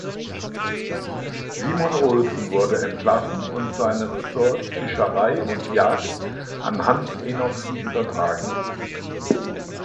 Simon Olsen wurde entlassen und seine Ressorts Fischerei und Jagd an Hans Enoksen übertragen.